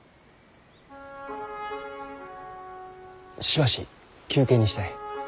しばし休憩にしたい。